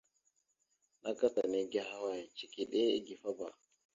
Naka ta nège ahaway? Cikiɗe igefaba.